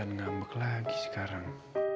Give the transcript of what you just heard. ngambek lagi sekarang